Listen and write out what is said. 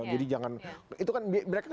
jadi jangan itu kan mereka